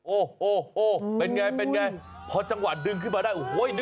โอ้โหเป็นไง